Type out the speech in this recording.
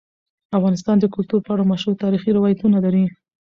افغانستان د کلتور په اړه مشهور تاریخی روایتونه لري.